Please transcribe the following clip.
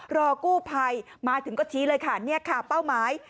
รอกู้ภัยมาถึงก็ชี้เลยค่ะเนี่ยค่ะเป้าหมาย